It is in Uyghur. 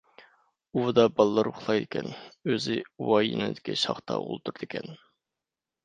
ئۇۋىدا بالىلىرى ئۇخلايدىكەن، ئۆزى ئۇۋا يېنىدىكى شاختا ئولتۇرىدىكەن.